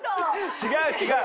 違う違う！